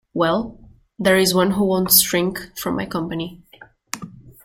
Well, there is one who won’t shrink from my company!